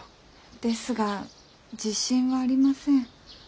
ですが自信はありません。